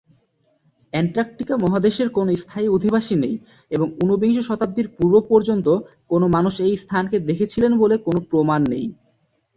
Antarctica মহাদেশের কোন স্থায়ী অধিবাসী নেই এবং ঊনবিংশ শতাব্দীর পূর্ব পর্যন্ত কোন মানুষ এই স্থানকে দেখেছিলেন বলে কোন প্রমাণ নেই।